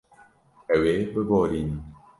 Ew ê biborînin.